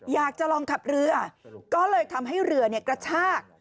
อยากจะลองขับเรือก็เลยทำให้เรือกระชาก